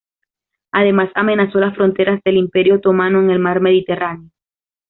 Además amenazó las fronteras del Imperio otomano en el mar Mediterráneo.